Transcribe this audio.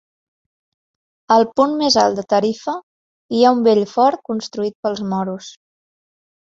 Al punt més alt de Tarifa hi ha un vell fort construït pels moros.